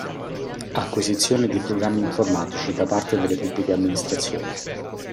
Acquisizione di programmi informatici da parte delle Pubbliche Amministrazioni.